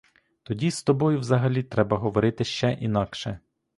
Тоді з тобою взагалі треба говорити ще інакше.